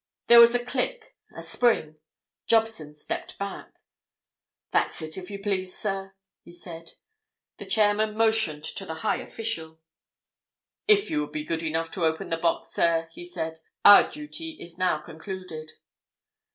There was a click, a spring: Jobson stepped back. "That's it, if you please, sir," he said. The chairman motioned to the high official. "If you would be good enough to open the box, sir," he said. "Our duty is now concluded."